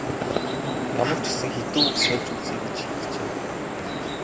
Ямар ч гэсэн хэдэн үг сольж үзье гэж шийджээ.